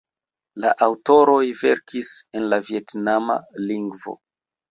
La aŭtoroj verkis en la vjetnama lingvo.